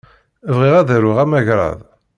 Bɣiɣ ad d-aruɣ amagrad.